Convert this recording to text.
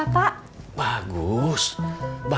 apasih hoping quiet ya